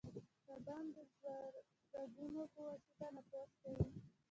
کبان د زګونو په واسطه تنفس کوي